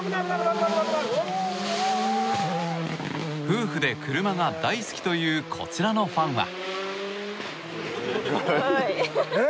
夫婦で車が大好きというこちらのファンは。